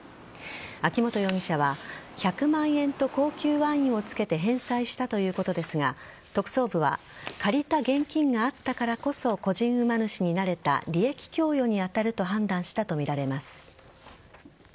秋本容疑者は１００万円と高級ワインをつけて返済したということですが特捜部は借りた現金があったからこそ個人馬主になれた利益供与に当たると判断したとみられます。